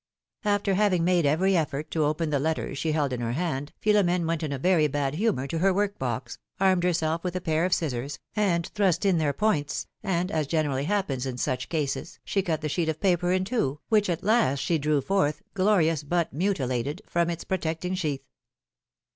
After having made every effort to open the letter she held in her hand, Philomene went in a very bad humor to her work box, armed herself with a pair of scissors, and thrust in their points, and, as generally happens in such cases, she cut the sheet of paper in two, which at last she drew forth, glorious, but mutilated, from its protecting sheath.